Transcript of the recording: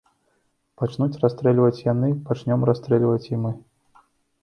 Пачнуць расстрэльваць яны, пачнём расстрэльваць і мы.